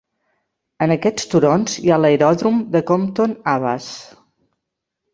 En aquests turons hi ha l'aeròdrom de Compton Abbas.